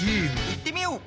いってみよう！